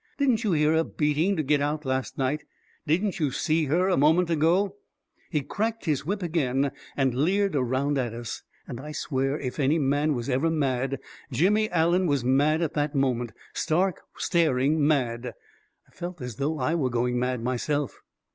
Didn't you hear her beating to get out last night ? Didn't you see her a moment ago ?" He cracked his whip again, and leered around at us; and I swear, if any man was ever mad, Jimmy Allen was mad at that moment — stark, staring mad t I felt as though I were going mad myself